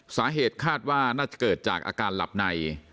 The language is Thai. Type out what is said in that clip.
สาเหตุคาดว่าน่าจะเกิดจากอาการหลับใน